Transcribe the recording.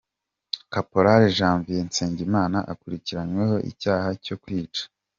Caporal Janvier Nsengimana akurikiranyweho icyaha cyo kwica.